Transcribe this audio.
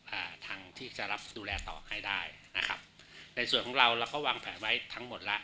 อ่าทางที่จะรับดูแลต่อให้ได้นะครับในส่วนของเราเราก็วางแผนไว้ทั้งหมดแล้ว